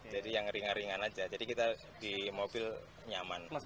jadi yang ringan ringan aja jadi kita di mobil nyaman